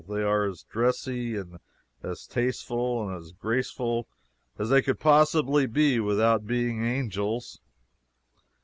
They are as dressy and as tasteful and as graceful as they could possibly be without being angels.